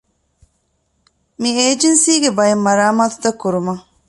މި އޭޖެންސީގެ ބައެއް މަރާމާތުތައް ކުރުމަށް